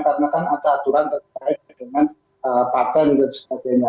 karena kan ada aturan terkait dengan patent dan sebagainya